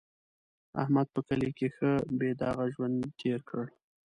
احمد په کلي کې ښه بې داغه ژوند تېر کړ.